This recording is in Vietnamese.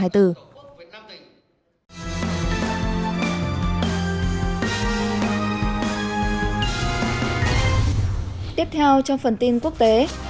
tiếp theo trong phần tin quốc tế